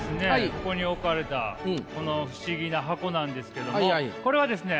ここに置かれたこの不思議な箱なんですけどもこれはですね